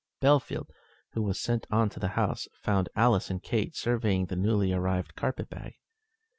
Bellfield, who was sent on to the house, found Alice and Kate surveying the newly arrived carpet bag.